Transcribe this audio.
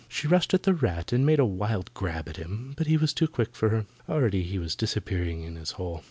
She rushed at the rat and made a wild grab at him. But he was too quick for her. Already he was disappearing in his hole.